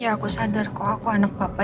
ya aku sadar kok aku anak bapak